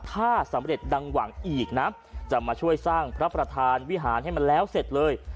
ถ้าสำเร็จดังหวังอีกนะจะมาช่วยสร้างพระประธานวิหารให้มันแล้วเสร็จเลย